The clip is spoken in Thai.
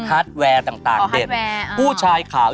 ฮาร์ทเวอร์ผู้ชายขาว